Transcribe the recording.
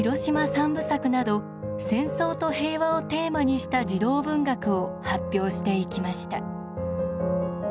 ３部作など戦争と平和をテーマにした児童文学を発表していきました。